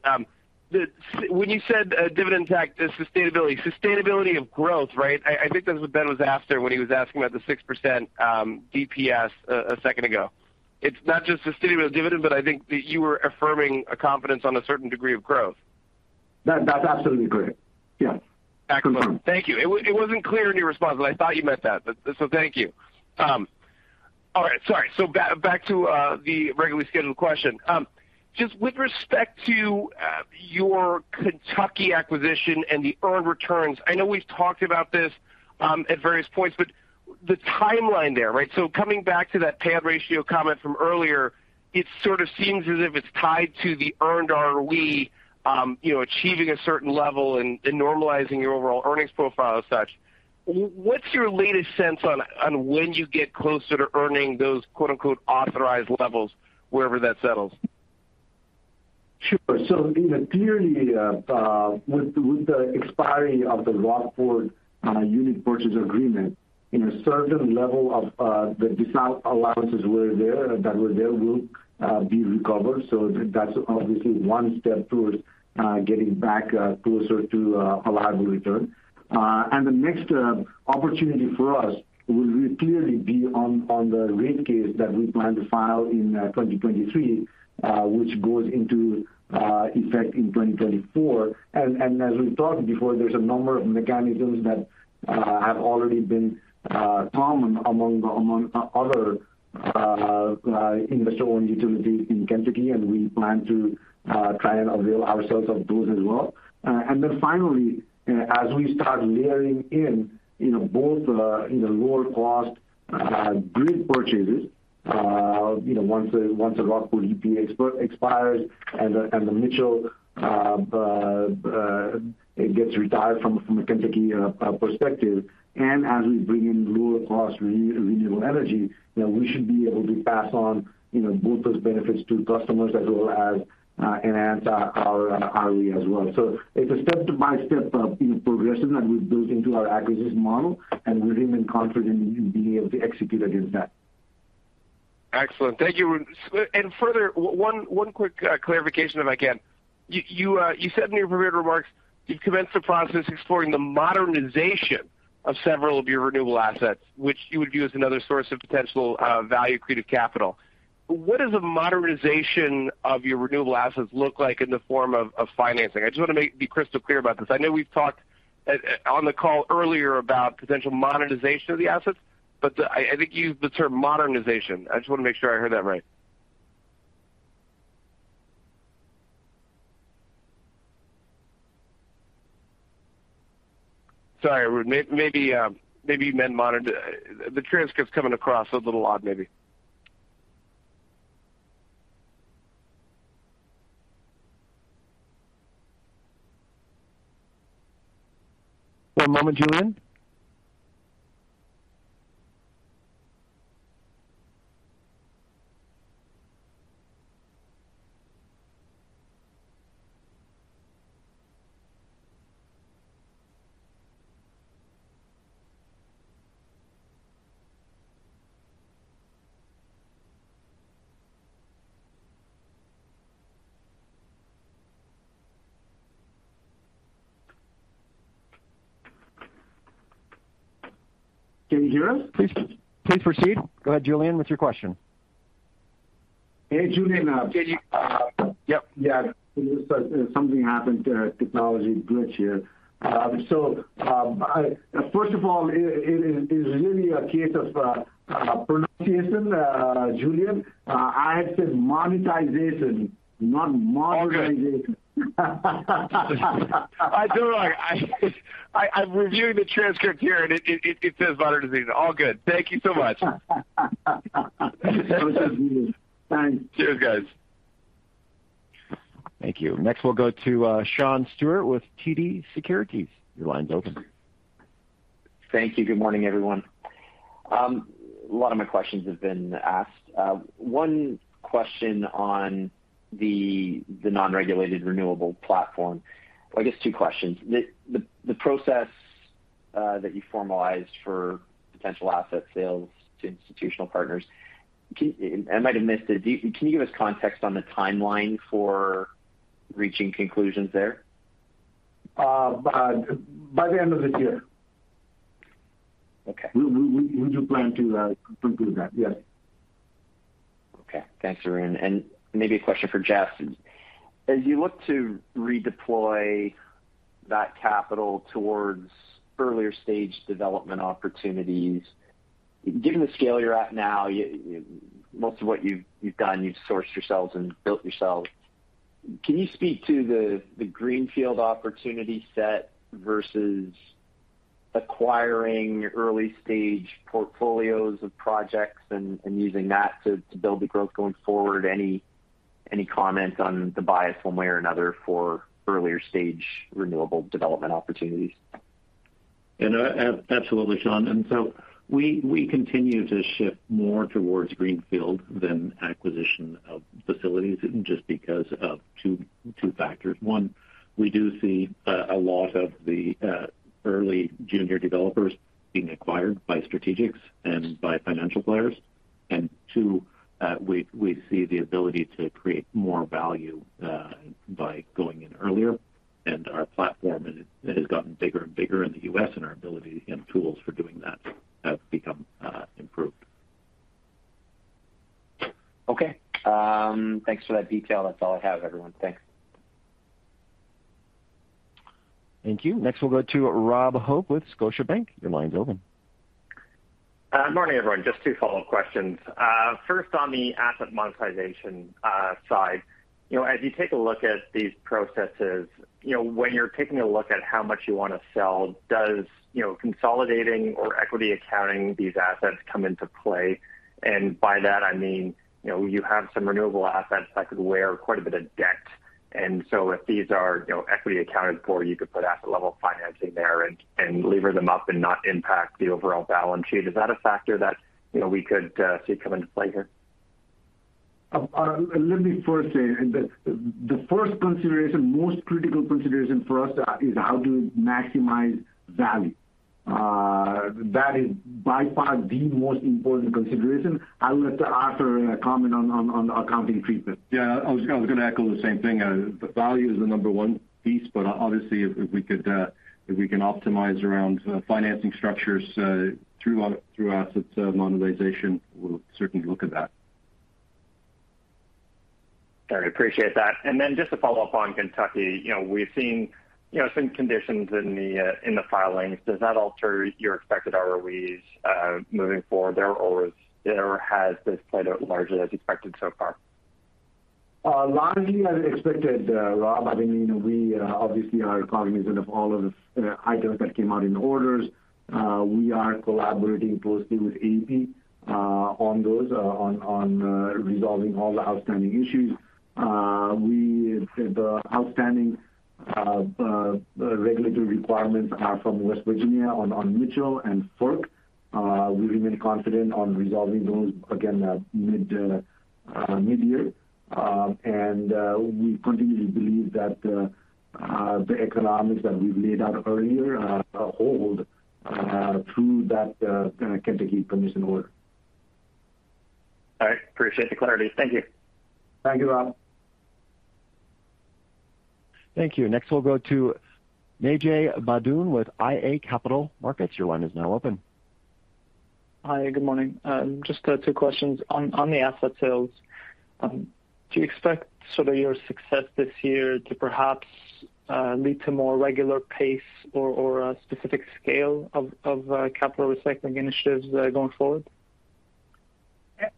S10: when you said dividend impact, the sustainability of growth, right? I think that's what Ben was after when he was asking about the 6% DPS a second ago. It's not just sustainability of dividend, but I think that you were affirming a confidence on a certain degree of growth.
S3: That, that's absolutely correct. Yes.
S10: Excellent. Thank you. It wasn't clear in your response, but I thought you meant that. Thank you. All right, sorry. Back to the regularly scheduled question. Just with respect to your Kentucky acquisition and the earned returns, I know we've talked about this at various points, but the timeline there, right? Coming back to that payout ratio comment from earlier, it sort of seems as if it's tied to the earned ROE, you know, achieving a certain level and normalizing your overall earnings profile as such. What's your latest sense on when you get closer to earning those quote-unquote authorized levels, wherever that settles?
S3: Sure. In theory, with the expiry of the Rockport unit power agreement, in a certain level of the disallowances that will be recovered. That's obviously one step towards getting back closer to allowable return. The next opportunity for us will clearly be on the rate case that we plan to file in 2023, which goes into effect in 2024. As we talked before, there's a number of mechanisms that have already been common among other investor-owned utilities in Kentucky, and we plan to try and avail ourselves of those as well. Finally, as we start layering in, you know, both, you know, lower cost grid purchases, you know, once the Rockport UPA expires and the Mitchell, it gets retired from a Kentucky perspective. As we bring in lower cost renewable energy, you know, we should be able to pass on, you know, both those benefits to customers as well as enhance our ROE as well. It's a step-by-step, you know, progression that we built into our acquisition model, and we remain confident in being able to execute against that.
S10: Excellent. Thank you. Further one quick clarification, if I can. You said in your prepared remarks you'd commence the process exploring the modernization of several of your renewable assets, which you would view as another source of potential value accretive capital. What does the modernization of your renewable assets look like in the form of financing? I just want to be crystal clear about this? I know we've talked on the call earlier about potential monetization of the assets, but I think you used the term modernization. I just want to make sure I heard that right? Sorry, Arun. Maybe you meant modern. The transcript's coming across a little odd, maybe.
S3: One moment, Julien. Can you hear us? Please proceed. Go ahead, Julien. What's your question? Hey, Julien.
S10: Yep.
S3: Yeah. Something happened. Technology glitch here. First of all, it is really a case of pronunciation, Julien. I said monetization, not modernization.
S10: All good. I'm reviewing the transcript here, and it says modernization. All good. Thank you so much.
S3: Thanks.
S10: Cheers, guys.
S7: Thank you. Next, we'll go to Sean Steuart with TD Securities. Your line's open.
S11: Thank you. Good morning, everyone. A lot of my questions have been asked. One question on the non-regulated renewable platform. I guess two questions. The process that you formalized for potential asset sales to institutional partners. I might have missed it. Can you give us context on the timeline for reaching conclusions there?
S3: By the end of the year.
S11: Okay.
S3: We do plan to conclude that. Yes.
S11: Okay. Thanks, Arun. Maybe a question for Jeff. As you look to redeploy that capital towards earlier stage development opportunities, given the scale you're at now, most of what you've done, you've sourced yourselves and built yourselves. Can you speak to the greenfield opportunity set versus acquiring early-stage portfolios of projects and using that to build the growth going forward? Any comments on the bias one way or another for earlier stage renewable development opportunities?
S6: You know, absolutely, Sean. We continue to shift more towards greenfield than acquisition of facilities just because of two factors. One, we do see a lot of the early junior developers being acquired by strategics and by financial players. Two, we see the ability to create more value by going in earlier. Our platform has gotten bigger and bigger in the U.S., and our ability and tools for doing that have become improved.
S11: Okay. Thanks for that detail. That's all I have, everyone. Thanks.
S7: Thank you. Next, we'll go to Rob Hope with Scotiabank. Your line's open.
S12: Morning, everyone. Just two follow-up questions. First on the asset monetization side. You know, as you take a look at these processes, you know, when you're taking a look at how much you want to sell, does consolidating or equity accounting these assets come into play? By that I mean, you know, you have some renewable assets that could bear quite a bit of debt. So if these are equity accounted for, you could put asset level financing there and lever them up and not impact the overall balance sheet. Is that a factor that we could see come into play here?
S3: Let me first say that the first consideration, most critical consideration for us, is how to maximize value. That is by far the most important consideration. I'll let Arthur comment on accounting treatment.
S4: Yeah. I was gonna echo the same thing. The value is the number one piece, but obviously if we can optimize around financing structures through our assets monetization, we'll certainly look at that.
S12: All right. Appreciate that. Then just to follow up on Kentucky, you know, we've seen, you know, some conditions in the filings. Does that alter your expected ROEs moving forward there, or has this played out largely as expected so far?
S3: Largely as expected, Rob, I mean, you know, we obviously are cognizant of all of the items that came out in the orders. We are collaborating closely with AEP on those on resolving all the outstanding issues. We said the outstanding regulatory requirements are from West Virginia on Mitchell and FERC. We remain confident on resolving those again at mid-year. We continue to believe that the economics that we've laid out earlier hold through that kind of Kentucky permission order.
S12: All right. Appreciate the clarity. Thank you.
S3: Thank you, Rob.
S1: Thank you. Next we'll go to Naji Baydoun with iA Capital Markets. Your line is now open.
S13: Hi, good morning. Just two questions. On the asset sales, do you expect sort of your success this year to perhaps lead to more regular pace or a specific scale of capital recycling initiatives going forward?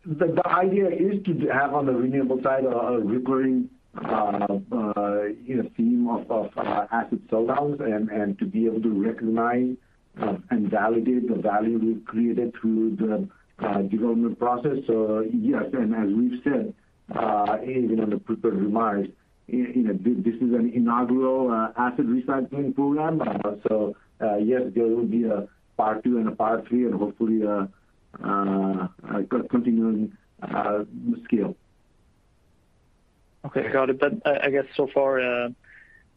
S3: The idea is to have on the renewable side a recurring, you know, theme of asset sell downs and to be able to recognize and validate the value we've created through the development process. Yes, as we've said in you know the prepared remarks you know this is an inaugural asset recycling program. Yes, there will be a part two and a part three and hopefully a continuing scale.
S13: Okay. Got it. I guess so far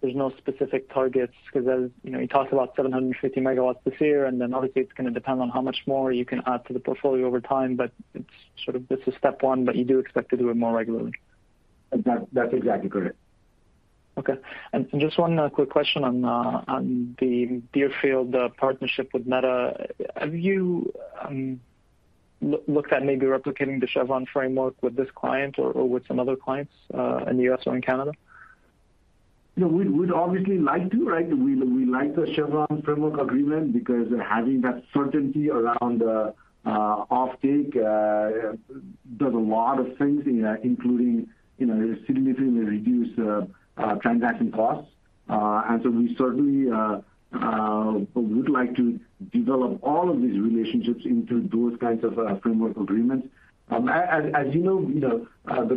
S13: there's no specific targets because as you know, you talked about 750 MW this year, and then obviously it's gonna depend on how much more you can add to the portfolio over time, but it's sort of this is step one, but you do expect to do it more regularly.
S3: That's exactly correct.
S13: Just one quick question on the Deerfield partnership with Meta. Have you looked at maybe replicating the Chevron framework with this client or with some other clients in the U.S. or in Canada?
S3: No, we'd obviously like to, right? We like the Chevron framework agreement because having that certainty around offtake does a lot of things, including, you know, significantly reduce transaction costs. We certainly would like to develop all of these relationships into those kinds of framework agreements. As you know,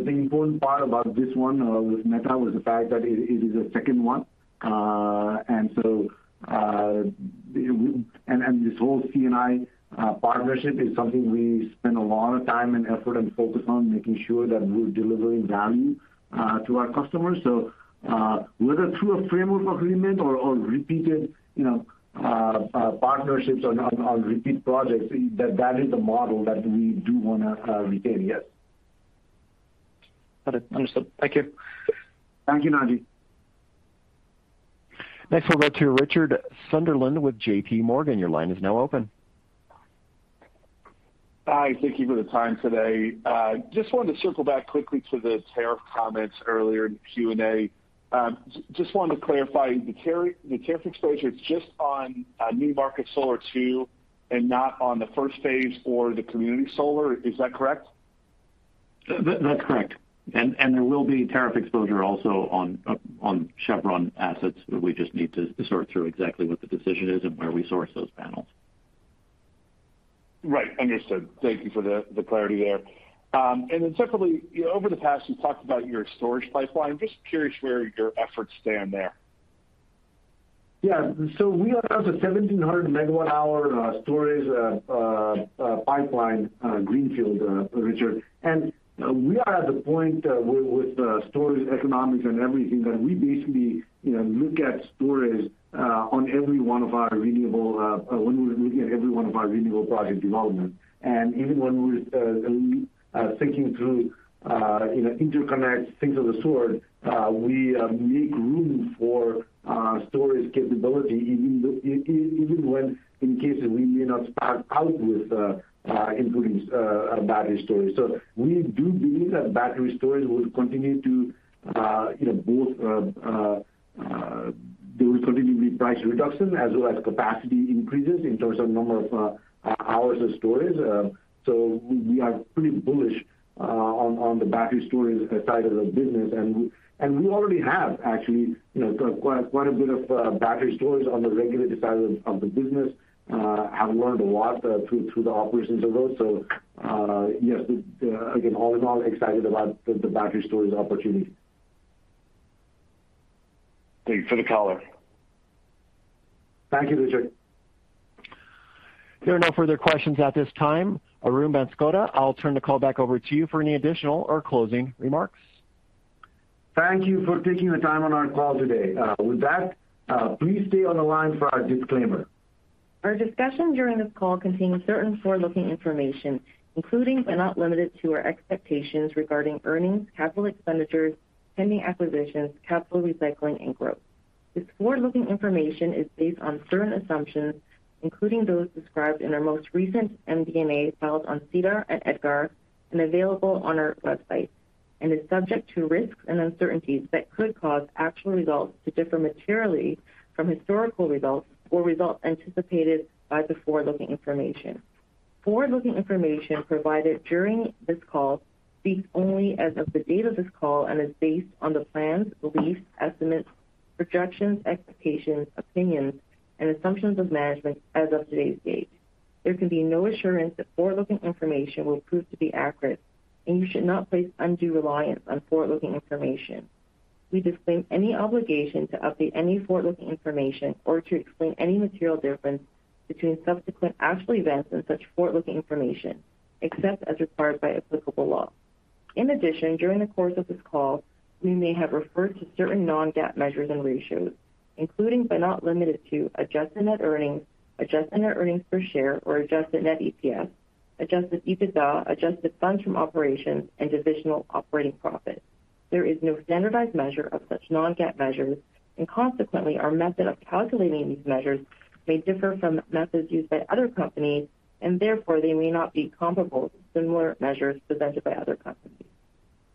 S3: the important part about this one with Meta was the fact that it is a second one. This whole C&I partnership is something we spend a lot of time and effort and focus on making sure that we're delivering value to our customers. whether through a framework agreement or repeated, you know, partnerships on repeat projects, that is the model that we do wanna retain. Yes.
S13: Got it. Understood. Thank you.
S3: Thank you, Naji.
S1: Next we'll go to Richard Sunderland III with JPMorgan. Your line is now open.
S14: Hi. Thank you for the time today. Just wanted to circle back quickly to the tariff comments earlier in the Q&A. Just wanted to clarify. The tariff exposure is just on New Market Solar Two and not on the first phase or the community solar. Is that correct?
S6: That's correct. There will be tariff exposure also on Chevron assets. We just need to sort through exactly what the decision is and where we source those panels.
S14: Right. Understood. Thank you for the clarity there. Secondly, over the past, you talked about your storage pipeline. Just curious where your efforts stand there.
S3: Yeah. We announced a 1,700-MWh storage pipeline, greenfield, Richard. We are at the point with storage economics and everything that we basically you know look at storage on every one of our renewable when we're looking at every one of our renewable project development. Even when we're thinking through you know interconnects, things of the sort, we make room for storage capability even when in case we may not start out with including battery storage. We do believe that battery storage will continue to you know both there will continue to be price reduction as well as capacity increases in terms of number of hours of storage. We are pretty bullish on the battery storage side of the business. We already have actually, you know, quite a bit of battery storage on the regulated side of the business. We have learned a lot through the operations of those. Yes, again, all in all excited about the battery storage opportunity.
S2: Thank you for the color.
S3: Thank you, Richard.
S1: There are no further questions at this time. Arun Banskota, I'll turn the call back over to you for any additional or closing remarks.
S3: Thank you for taking the time on our call today. With that, please stay on the line for our disclaimer.
S2: Our discussion during this call contains certain forward-looking information, including but not limited to our expectations regarding earnings, capital expenditures, pending acquisitions, capital recycling, and growth. This forward-looking information is based on certain assumptions, including those described in our most recent MD&A filed on SEDAR and EDGAR and available on our website, and is subject to risks and uncertainties that could cause actual results to differ materially from historical results or results anticipated by the forward-looking information. Forward-looking information provided during this call speaks only as of the date of this call and is based on the plans, beliefs, estimates, projections, expectations, opinions, and assumptions of management as of today's date. There can be no assurance that forward-looking information will prove to be accurate, and you should not place undue reliance on forward-looking information. We disclaim any obligation to update any forward-looking information or to explain any material difference between subsequent actual events and such forward-looking information, except as required by applicable law. In addition, during the course of this call, we may have referred to certain non-GAAP measures and ratios, including but not limited to adjusted net earnings, adjusted net earnings per share or adjusted net EPS, adjusted EBITDA, adjusted funds from operations and divisional operating profit. There is no standardized measure of such non-GAAP measures, and consequently, our method of calculating these measures may differ from methods used by other companies, and therefore they may not be comparable to similar measures presented by other companies.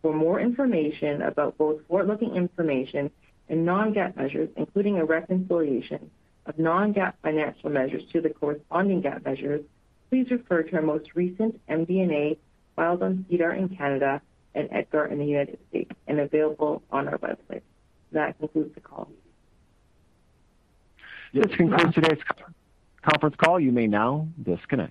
S2: For more information about both forward-looking information and non-GAAP measures, including a reconciliation of non-GAAP financial measures to the corresponding GAAP measures, please refer to our most recent MD&A filed on SEDAR in Canada and EDGAR in the United States and available on our website. That concludes the call.
S1: This concludes today's conference call. You may now disconnect.